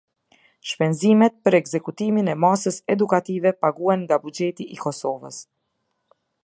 Shpenzimet për ekzekutimin e masës edukative paguhen nga buxheti i Kosovës.